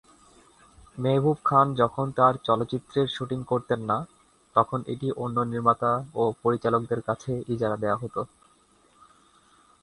মেহবুব খান যখন তাঁর চলচ্চিত্রের শুটিং করতেন না, তখন এটি অন্য নির্মাতা ও পরিচালকদের কাছে ইজারা দেওয়া হত।